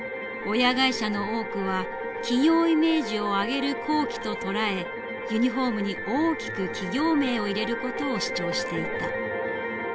親会社の多くは企業イメージを上げる好機と捉えユニフォームに大きく企業名を入れることを主張していた。